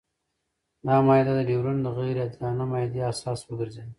دا معاهده د ډیورنډ د غیر عادلانه معاهدې اساس وګرځېده.